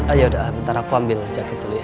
ayah udah bentar aku ambil jaket dulu ya